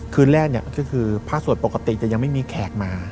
คืนแรกก็คือพระสวดปกติจะยังไม่มีแขกมา